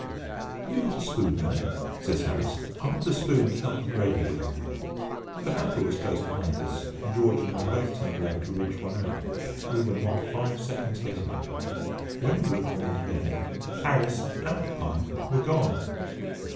"Have you got a spoon there?" says Harris; "I want a spoon to help the gravy with." The hamper was close behind us, and George and I both turned round to reach one out. We were not five seconds getting it. When we looked round again, Harris and the pie were gone!